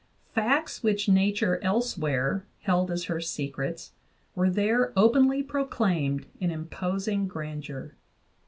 Facts which Nature elsewhere held as her secrets were there openly proclaimed in imposing grandeur.